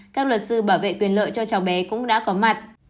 các luật sư bảo vệ quyền lợi cho cháu bé cũng đã có mặt